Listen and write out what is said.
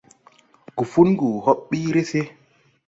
Gufungu hɔɓ ɓiiri se.